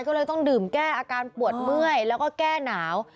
ก็เลยต้องดื่มแก้อาการปวดเมื่อยแล้วก็แก้หนาว